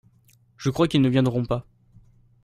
Je crois qu’ils ne viendront pas.